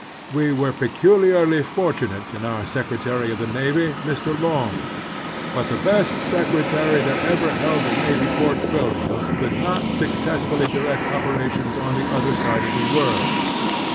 We were peculiarly fortunate in our Secre tary of the Navy, Mr. Long ; but the best secretary that ever held the navy portfolio could not suc cessfully direct operations on the other side of the world.